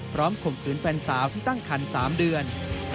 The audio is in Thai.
พร้อมข่มขึ้นแฟนสาวที่ตั้งคัน๓เดือน